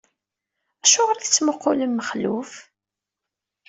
Acuɣeṛ i tettmuqqulem Mexluf?